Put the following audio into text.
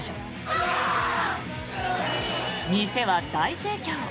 店は大盛況。